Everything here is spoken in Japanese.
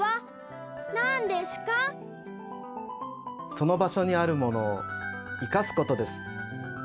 その場所にあるものを生かすことです。